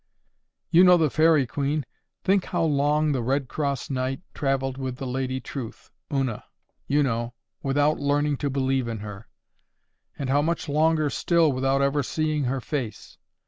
You know the Fairy Queen. Think how long the Redcross Knight travelled with the Lady Truth—Una, you know—without learning to believe in her; and how much longer still without ever seeing her face.